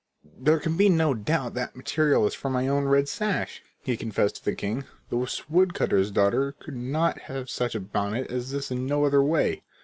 "There can be no doubt that material is from my own red sash," he confessed to the king. "This woodcutter's daughter could have such a bonnet as this in no other way."